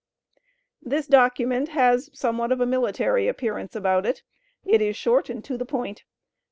This document has somewhat of a military appearance about it. It is short and to the point.